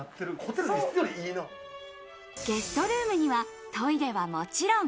ゲストルームにはトイレはもちろん、